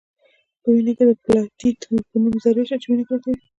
په وینه کې د پلاتیلیت په نوم ذرې شته چې وینه کلکوي